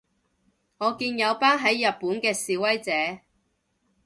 我見有班喺日本嘅示威者